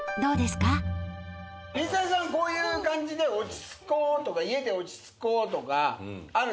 こういう感じで落ち着こうとか家で落ち着こうとかあるんですか？